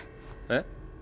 えっ？